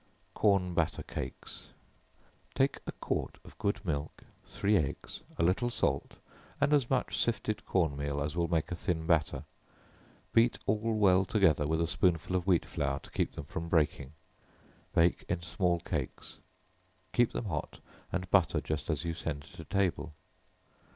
Corn Batter Cakes. Take a quart of good milk, three eggs, a little salt, and as much sifted corn meal as will make a thin batter; beat all well together, with a spoonful of wheat flour to keep them from breaking, bake in small cakes, keep them hot, and butter just as you send to table.